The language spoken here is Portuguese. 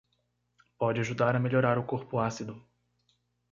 Pode ajudar a melhorar o corpo ácido